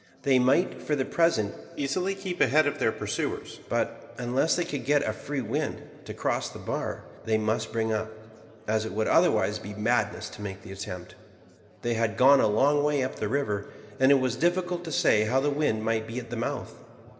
They might, for the present, easily keep ahead of their pursuers; but, unless they could get a free wind, to cross the bar, they must bring up, as it would otherwise be madness to make the attempt. They had gone a long way up the river, and it was difficult to say how the wind might be at the mouth.